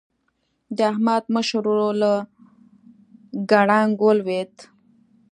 د احمد مشر ورور له ګړنګ ولوېد.